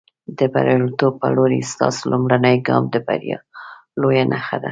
د برياليتوب په لورې، ستاسو لومړنی ګام د بریا لویه نښه ده.